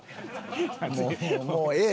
もうもうええ。